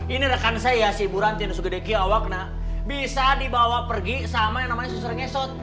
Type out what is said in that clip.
ini rekan saya ya si ibu rantian sugedegi awakna bisa dibawa pergi sama yang namanya susur ngesot